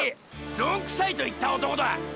“ドンくさい”と言った男だ！！